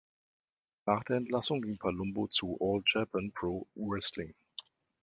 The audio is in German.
Nach der Entlassung ging Palumbo zu All Japan Pro Wrestling.